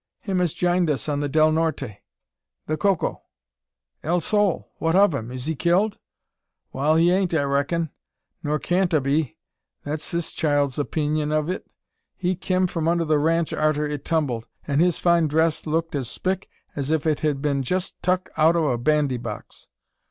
"Him as jined us on the Del Norte the Coco." "El Sol! What of him? is he killed?" "Wal, he ain't, I reckin; nor can't a be: that's this child's opeenyun o' it. He kim from under the ranche, arter it tumbled; an' his fine dress looked as spick as ef it had been jest tuk out o' a bandy box.